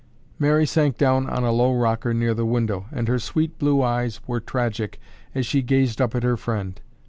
Mary sank down on a low rocker near the window and her sweet blue eyes were tragic as she gazed up at her friend.